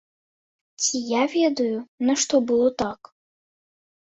Ці я ведаю, нашто было так?